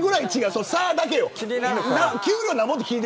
その差だけよ。